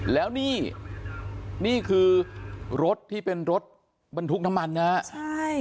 แล้วนี้นี่คือรถที่เป็นรถบรรทุกทามันนะครับ